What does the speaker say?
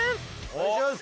お願いします！